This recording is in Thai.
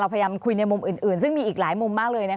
พยายามคุยในมุมอื่นซึ่งมีอีกหลายมุมมากเลย